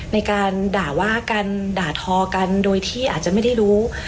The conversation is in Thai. ในการด่าว่ากันด่าทอกันโดยที่อาจจะไม่ได้รู้